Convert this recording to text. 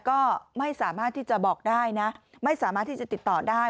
ก็ไม่สามารถที่จะบอกได้นะไม่สามารถที่จะติดต่อได้